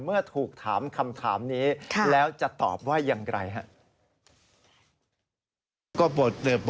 เมื่อถูกถามคำถามนี้แล้วจะตอบว่ายังไงฮะ